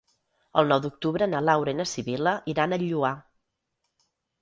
El nou d'octubre na Laura i na Sibil·la iran al Lloar.